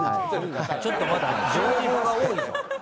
ちょっと待って情報が多いぞ。